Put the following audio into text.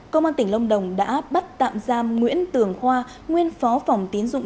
công an tỉnh lâm đồng đã bắt tạm giam nguyễn tường khoa nguyên phó phòng tín dụng